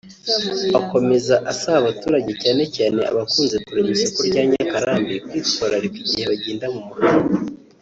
Akomeza asaba abaturage cyane cyane abakunze kurema isoko rya Nyakarambi kwitwararika igihe bagenda mu muhanda